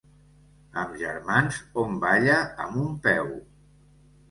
Amb germans hom balla amb un peu.